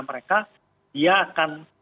mereka ya akan